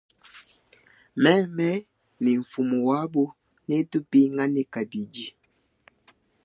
Mema ni mfumu wabu netupingane kabidi.